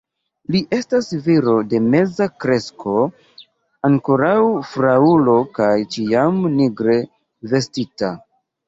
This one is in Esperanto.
Li estas viro de meza kresko, ankoraŭ fraŭlo kaj ĉiam nigre vestita.